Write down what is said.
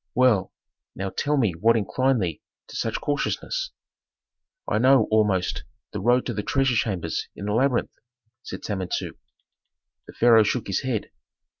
Well, now, tell me what inclined thee to such cautiousness?" "I know, almost, the road to the treasure chambers in the labyrinth," said Samentu. The pharaoh shook his head.